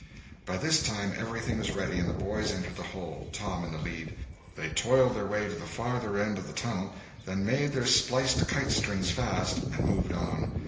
By this time everything was ready and the boys entered the hole, Tom in the lead. They toiled their way to the farther end of the tunnel, then made their spliced kite strings fast and moved on.